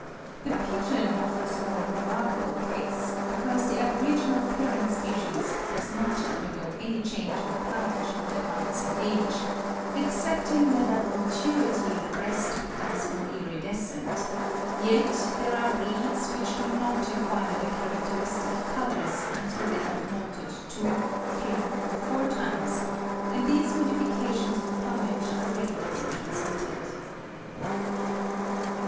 The Pigeon offers a more remarkable case, because the aboriginal parent species does not undergo any change of plumage with advancing age, excepting that at maturity the breast becomes more iridescent; yet there are breeds which do not acquire their characteristic colours until they have moulted two, three, or four times; and these modifications of plumage are regularly transmitted.